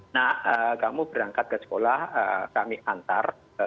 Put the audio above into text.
nah kamu berangkat ke sekolah kami antar